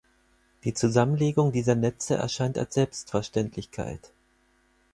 Die Zusammenlegung dieser Netze erscheint als Selbstverständlichkeit.